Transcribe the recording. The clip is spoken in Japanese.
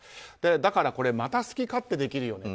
だからまた好き勝手できるよねと。